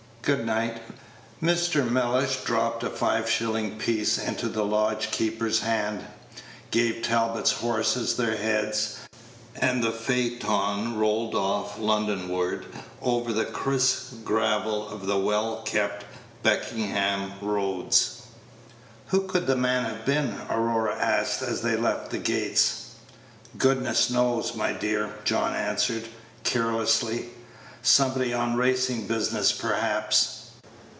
Good night." Mr. Mellish dropped a five shilling piece into the lodge keeper's hand, gave Talbot's horses their heads, and the phaeton rolled off Page 160 Londonward over the crisp gravel of the well kept Beckenham roads. "Who could the man have been?" Aurora asked, as they left the gates. "Goodness knows, my dear," John answered, carelessly. "Somebody on racing business, perhaps."